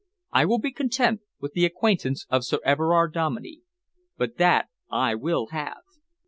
I will be content with the acquaintance of Sir Everard Dominey, but that I will have."